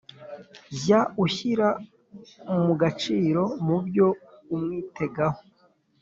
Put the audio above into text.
Jya ushyira mu gaciro mu byo umwitegaho